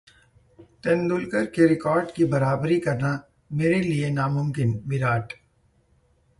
तेंदुलकर के रिकार्ड की बराबरी करना मेरे लिए नामुमकिन: विराट